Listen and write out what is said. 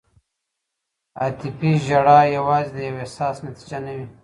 عاطفي ژړا یوازې د یو احساس نتیجه نه وي.